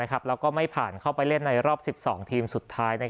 แล้วก็ไม่ผ่านเข้าไปเล่นในรอบ๑๒ทีมสุดท้าย